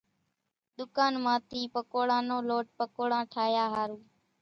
ڌُڪان مان ٿي پڪوڙان نو لوٽ پڪوڙان ٺاھيا ۿارُو